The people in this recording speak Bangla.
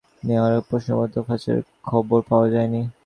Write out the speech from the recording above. এটিসহ আরও কিছু পদক্ষেপ নেওয়ায় এবার প্রশ্নপত্র ফাঁসের খবর পাওয়া যায়নি।